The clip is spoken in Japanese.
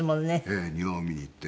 ええ庭を見に行って。